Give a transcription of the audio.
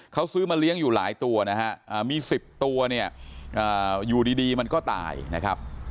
เขาซื้อมาเลี้ยงอยู่หลายตัวนะฮะมี๑๐ตัวเนี่ยอยู่ดีมันก็ตายนะครับ